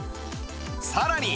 さらに